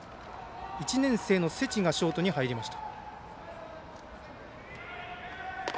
１年生の畝地がショートに入りました。